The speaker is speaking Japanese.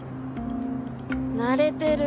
慣れてる。